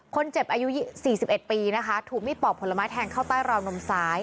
คนเจ็บอายุ๔๑ปีนะคะถูกมีดปอกผลไม้แทงเข้าใต้ราวนมซ้าย